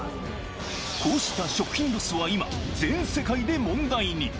こうした食品ロスは今、全世界で問題に。